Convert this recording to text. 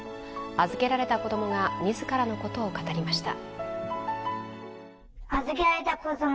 預けられた子供が自らのことを語りました。